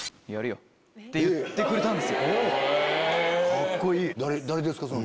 カッコいい！